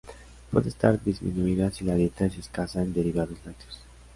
Puede estar disminuida si la dieta es escasa en derivados lácteos.